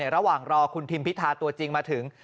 ระหว่างรอคุณทิมพิธาตัวจริงมาถึง